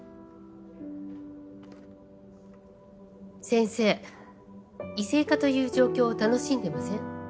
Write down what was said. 先生異性化という状況を楽しんでません？